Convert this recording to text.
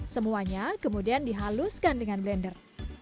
semuanya kemudian dihaluskan dengan blender